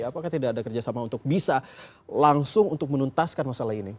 apakah tidak ada kerjasama untuk bisa langsung untuk menuntaskan masalah ini